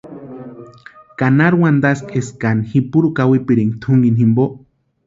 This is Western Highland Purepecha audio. ¿Ka nari wantaski eska ji puro kawipirinka tʼunkini jimpo?